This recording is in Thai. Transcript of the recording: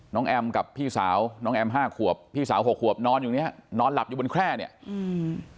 แอมกับพี่สาวน้องแอมห้าขวบพี่สาวหกขวบนอนอยู่เนี้ยนอนหลับอยู่บนแคร่เนี้ยอืม